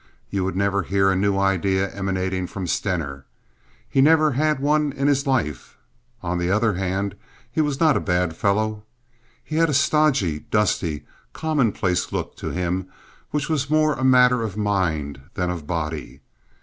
You would never hear a new idea emanating from Stener. He never had one in his life. On the other hand, he was not a bad fellow. He had a stodgy, dusty, commonplace look to him which was more a matter of mind than of body.